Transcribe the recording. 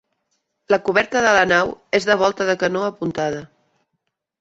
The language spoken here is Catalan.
La coberta de la nau és de volta de canó apuntada.